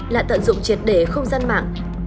lại tận dụng triệt đề không gian mạng